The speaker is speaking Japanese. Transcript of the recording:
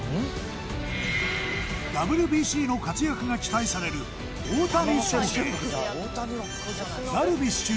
ＷＢＣの活躍が期待される大谷翔平ダルビッシュ